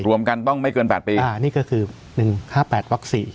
รวมกันต้องไม่เกิน๘ปีนี่ก็คือ๑๕๘วักสี่